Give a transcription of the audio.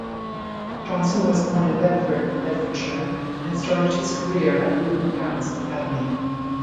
Johnson was born in Bedford, Bedfordshire, and started his career at Luton Town's Academy.